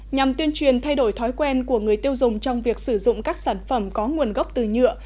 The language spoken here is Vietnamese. nhằm tuyên truyền thay đổi thói quen của người tiêu dùng trong việc sử dụng các sản phẩm có nguồn gốc từ nhựa